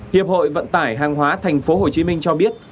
hiệp hội vận tải hàng hóa thành phố hồ chí minh cho biết